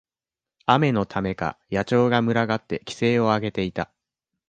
雨のためか、野鳥が群がって奇声をあげていた。